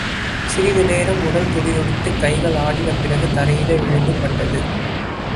சிறிது நேரம் உடல் துடி துடித்தது கைகள் ஆடின பிறகு தரையிலே விழுந்து பட்டது.